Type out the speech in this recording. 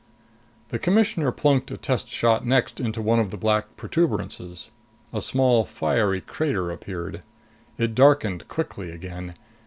The Commissioner plunked a test shot next into one of the black protuberances. A small fiery crater appeared. It darkened quickly again.